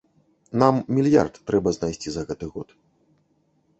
Нам мільярд трэба знайсці за гэты год.